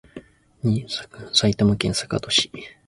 埼玉県坂戸市